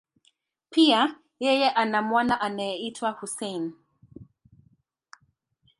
Pia, yeye ana mwana anayeitwa Hussein.